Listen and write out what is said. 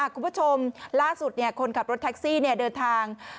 คุณผู้ชมล่าสุดคนขับรถแท็กซี่เดินทาง